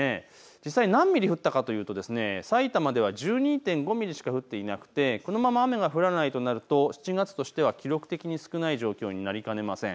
実際、何ミリ降ったかというとさいたまでは１２．５ミリしか降っていなくてこのまま雨が降らないとなると７月としては記録的に少ない状況になりかねません。